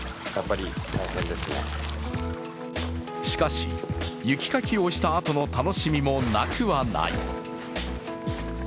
しかし、雪かきをしたあとの楽しみもなくはない。